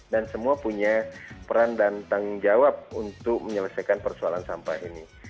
dan semua punya peran dan tanggung jawab untuk menyelesaikan persoalan sampah ini